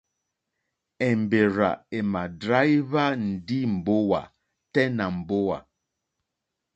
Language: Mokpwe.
Èmbèrzà èmà dráíhwá ndí mbówà tɛ́ nà mbówà.